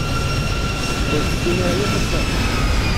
Ur tessin ara yakk ad taru